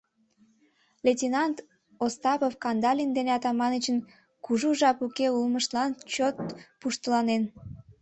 ...Лейтенант Остапов Кандалин ден Атаманычын кужу жап уке улмыштлан чот пуштыланен.